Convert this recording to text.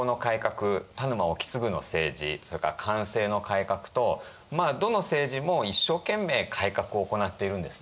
田沼意次の政治それから寛政の改革とまあどの政治も一生懸命改革を行っているんですね。